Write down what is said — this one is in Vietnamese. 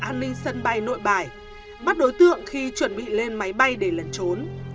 an ninh sân bay nội bài bắt đối tượng khi chuẩn bị lên máy bay để lẩn trốn